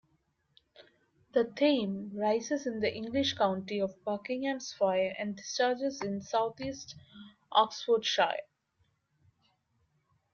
The Thame rises in the English county of Buckinghamshire and discharges in south-east Oxfordshire.